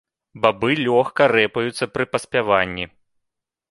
Бабы лёгка рэпаюцца пры паспяванні.